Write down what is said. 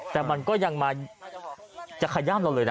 แต่มันก็ยังมาจะขย่ามเราเลยนะ